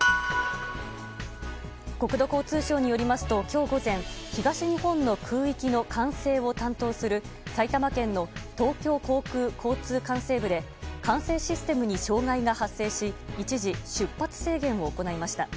国土交通省によりますと今日午前東日本の空域の管制を担当する埼玉県の東京航空交通管制部で管制システムに障害が発生し一時出発制限を行いました。